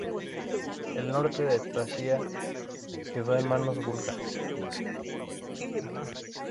El norte de Tracia quedó en manos búlgaras.